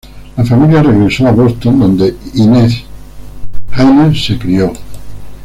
La familia regresó a Boston donde Inez Haynes se crió.